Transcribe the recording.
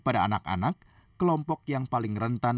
pelaku diancam pasal berlapis